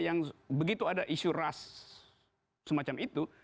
yang begitu ada isu ras semacam itu